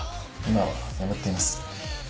今は眠っています。